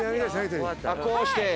こうして？